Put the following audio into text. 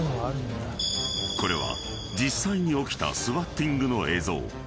［これは実際に起きたスワッティングの映像］